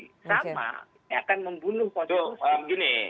sama yang akan membunuh konstitusi